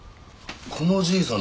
このじいさん